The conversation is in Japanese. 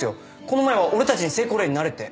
この前は俺たちに成功例になれって